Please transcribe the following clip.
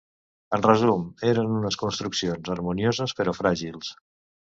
En resum, eren unes construccions harmonioses però fràgils.